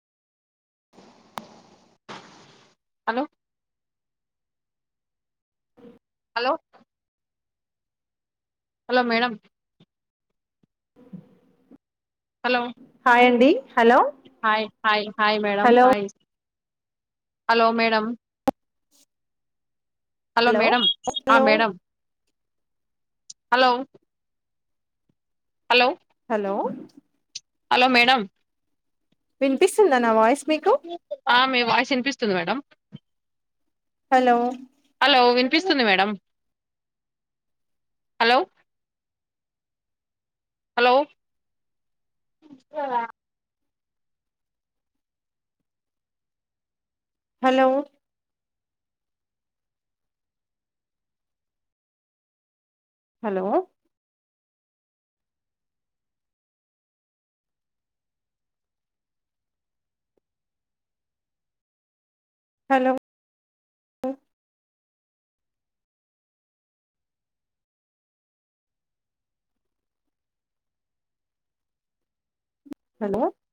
hello hello hello madam hello hi అండి hello hi hi hi మేడ hello hi hello madam hello madam hello madam hello hello hello hello madam వినిపిస్తుందా నా voice మీకు ఆమె voice వినిపిస్తుంది madam hello hello వినిపిస్తుంది madam hello hello hello hello hello hello